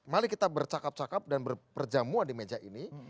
mari kita bercakap cakap dan berperjamuan di meja ini